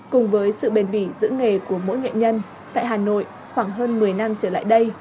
cùng với sự bền bỉ giữ nghề của mỗi nghệ nhân tại hà nội khoảng hơn một mươi năm trở lại đây